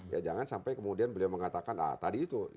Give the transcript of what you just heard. ya jangan sampai kemudian beliau mengatakan ah tadi itu